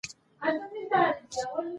د نجونو تعلیم د کلتوري ودې لامل کیږي.